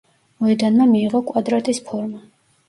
მოედანმა მიიღო კვადრატის ფორმა.